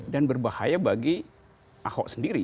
dan berbahaya bagi ahok sendiri